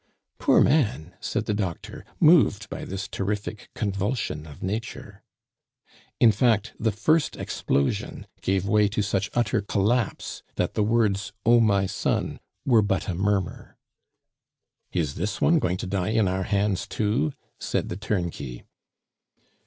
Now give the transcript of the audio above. "Poor man!" said the doctor, moved by this terrific convulsion of nature. In fact, the first explosion gave way to such utter collapse, that the words, "Oh, my son," were but a murmur. "Is this one going to die in our hands too?" said the turnkey.